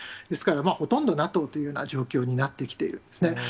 ですから、ほとんどＮＡＴＯというような状況になってきているんですね。